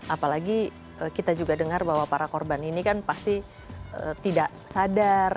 apalagi kita juga dengar bahwa para korban ini kan pasti tidak sadar